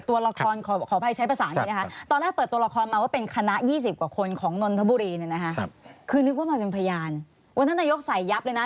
ว่าท่านนายกใส่ยับเลยนะ